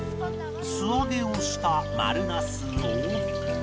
素揚げをした丸ナスを